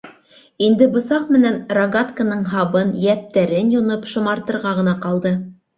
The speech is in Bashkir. Инде бысаҡ менән рогатканың һабын, йәптәрен юнып шымартырға ғына ҡалды.